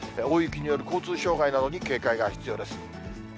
大雪による交通障害などに警戒が必要です。